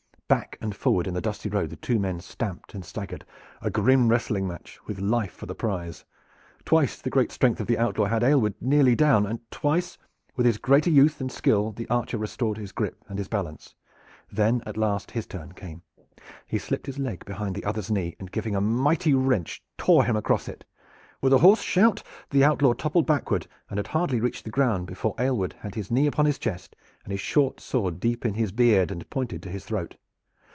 Back and forward in the dusty road the two men stamped and staggered, a grim wrestling match, with life for the prize. Twice the great strength of the outlaw had Aylward nearly down, and twice with his greater youth and skill the archer restored his grip and his balance. Then at last his turn came. He slipped his leg behind the other's knee, and, giving a mighty wrench, tore him across it. With a hoarse shout the outlaw toppled backward and had hardly reached the ground before Aylward had his knee upon his chest and his short sword deep in his beard and pointed to his throat.